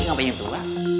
gak mau nyentuh